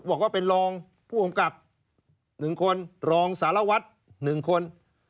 บอกว่าเป็นรองผู้กำกับ๑คนรองสารวัตร๑คน